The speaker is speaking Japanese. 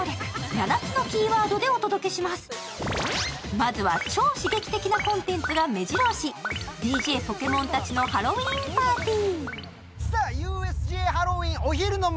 まずは超刺激的なコンテンツがめじろ押し、ＤＪポケモンたちのハロウィーンパーティー。